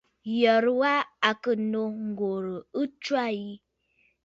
Ǹyərə wa à kɨ̀ nô ŋ̀gòrə̀ ɨ tswâ yi.